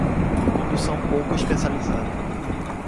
Condução pouco especializada